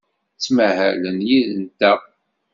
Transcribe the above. Ttmahalen yid-nteɣ.